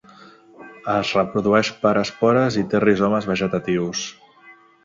Es reprodueix per espores i té rizomes vegetatius.